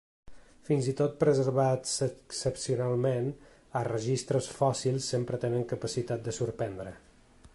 Fins i tot preservats excepcionalment, els registres fòssils sempre tenen capacitat de sorprendre.